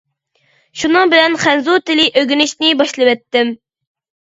شۇنىڭ بىلەن خەنزۇ تىلى ئۆگىنىشنى باشلىۋەتتىم.